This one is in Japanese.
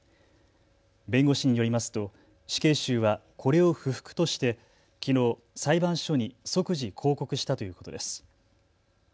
弁護士によりますと死刑囚はこれを不服として、きのう裁判所に即時抗告したということです。